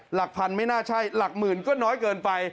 หลักพันไม่น่าใช่หลักหมื่นก็น้อยเกินไป